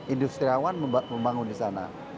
industriawan membangun di sana